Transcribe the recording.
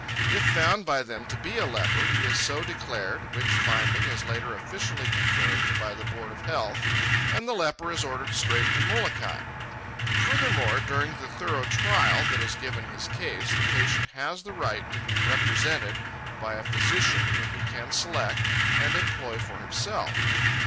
If found by them to be a leper, he is so declared, which finding is later officially confirmed by the Board of Health, and the leper is ordered straight to Molokai. Furthermore, during the thorough trial that is given his case, the patient has the right to be represented by a physician whom he can select and employ for himself.